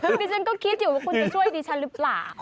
คือดิฉันก็คิดอยู่ว่าคุณจะช่วยดิฉันหรือเปล่า